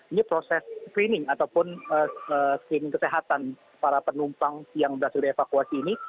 ini proses cleaning ataupun cleaning kesehatan para penumpang yang berhasil di evacuate ini